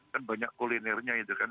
kan banyak kulinernya itu kan